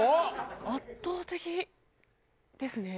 圧倒的ですね。